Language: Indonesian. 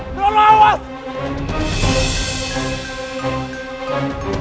sekarang juga kamu harus nikah sama aku